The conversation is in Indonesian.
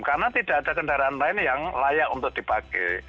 karena tidak ada kendaraan lain yang layak untuk dipakai